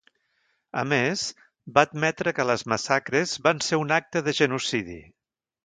A més, va admetre que les massacres van ser un acte de genocidi.